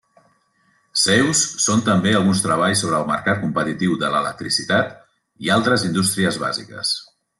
Seus són també alguns treballs sobre el mercat competitiu de l'electricitat i altres indústries bàsiques.